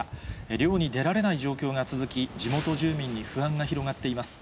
漁に出られない状況が続き、地元住民に不安が広がっています。